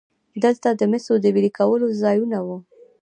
دلته د مسو د ویلې کولو ځایونه وو